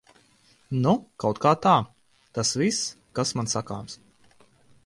Nu kautkā tā. Tas viss, kas man sakāms.